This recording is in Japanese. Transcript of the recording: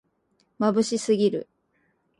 まぶしすぎる